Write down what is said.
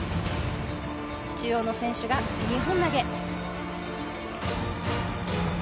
中央の選手が２本投げ。